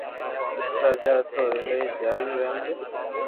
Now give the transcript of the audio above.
راجا ھتو او ايلائي ديالو رحمدل